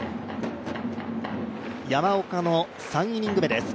山岡の３イニング目です。